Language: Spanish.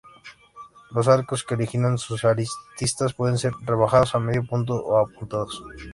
Los arcos que originan sus aristas pueden ser rebajados, de medio punto o apuntados.